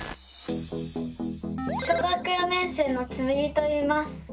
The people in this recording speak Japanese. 小学４年生のつむぎといいます。